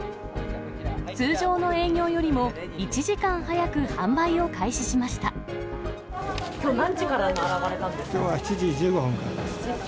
通常の営業よりも１時間早くきょう、きょうは７時１５分からです。